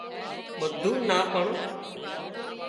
ٻانڌو نا پڻ